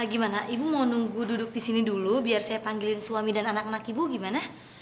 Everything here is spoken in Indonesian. gimana ibu mau nunggu duduk di sini dulu biar saya panggilin suami dan anak anak ibu gimana